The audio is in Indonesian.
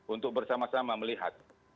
untuk bersama sama melihat